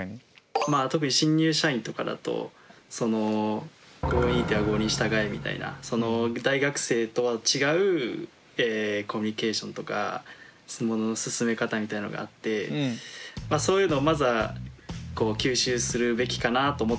まあ特に新入社員とかだと「郷に入っては郷に従え」みたいな大学生とは違うコミュニケーションとかものの進め方みたいなのがあってそういうのをまずは吸収するべきかなと思って。